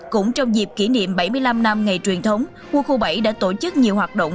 cũng trong dịp kỷ niệm bảy mươi năm năm ngày truyền thống quân khu bảy đã tổ chức nhiều hoạt động